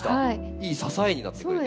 いい支えになってくれて。